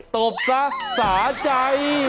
ตบซะสาใจ